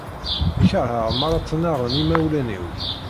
Kerheɣ m ara ttnaɣen imawlen-iw.